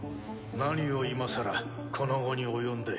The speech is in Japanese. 何を今更この期に及んで。